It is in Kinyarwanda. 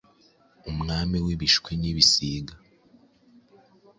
umwami w’ibishwi n’ibisiga !